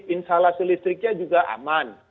insalasi listriknya juga aman